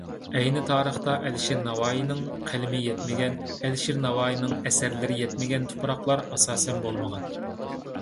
ئەينى تارىختا ئەلىشىر نەۋائىينىڭ قەلىمى يەتمىگەن، ئەلىشىر نەۋائىينىڭ ئەسەرلىرى يەتمىگەن تۇپراقلار ئاساسەن بولمىغان.